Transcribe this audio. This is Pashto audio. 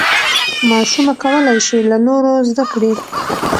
ماشومه کولی شي له نورو زده کړي.